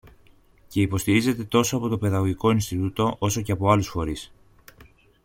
και υποστηρίζεται τόσο από το Παιδαγωγικό Ινστιτούτο, όσο και από άλλους φορείς